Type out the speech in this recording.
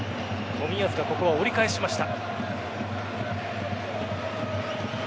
冨安が折り返しました。